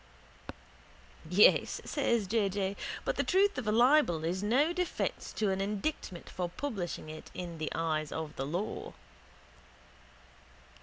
—Yes, says J. J., but the truth of a libel is no defence to an indictment for publishing it in the eyes of the law.